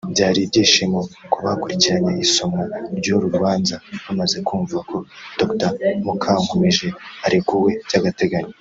Byari ibyishimo ku bakurikiranye isomwa ry’uru rubanza bamaze kumva ko Dr Mukankomeje arekuwe by’agateganyo